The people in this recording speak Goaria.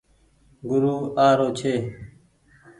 گورو آ رو ڇي۔